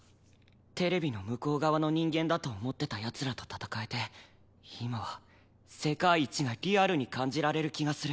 テレビの向こう側の人間だと思ってた奴らと戦えて今は「世界一」がリアルに感じられる気がする。